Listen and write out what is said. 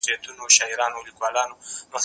که وخت وي، موسيقي اورم؟!